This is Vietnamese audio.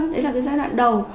đấy là giai đoạn đầu